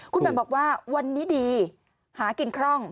คุณแหม่มบอกว่าวันนี้ดีหากินคร่อง